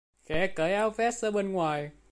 Khẽ cởi áo vest ở bên ngoài